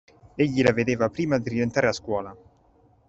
Egli la vedeva prima di rientrare a scuola.